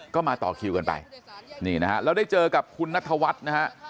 ก็มาต่อคิวกันไปนี่นะฮะเราได้เจอกับคุณนัทวัฒน์นะฮะ